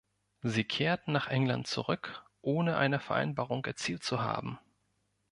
Sie kehrten nach England zurück, ohne eine Vereinbarung erzielt zu haben.